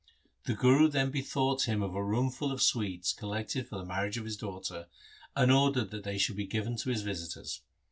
The Guru then bethought him of a room full of sweets collected for the marriage of his daughter, and ordered that they should be given to his visitors.